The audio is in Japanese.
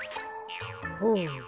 ほう。